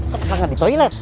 kenapa gak ada toilet